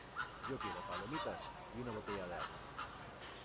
¡Yo quiero palomitas y una botella de agua!